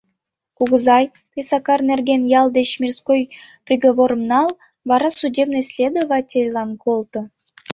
— Кугызай, тый Сакар нерген ял деч мирской приговорым нал, вара судебный следовательлан колто.